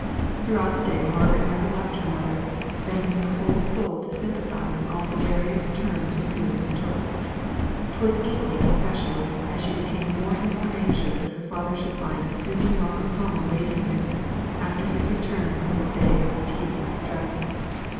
Throughout the day Margaret never left her mother; bending her whole soul to sympathise in all the various turns her feelings took; towards evening especially, as she became more and more anxious that her father should find a soothing welcome home awaiting him, after his return from his day of fatigue and distress.